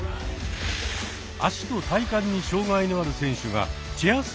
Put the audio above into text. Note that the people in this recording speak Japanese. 足と体幹に障がいのある選手がチェア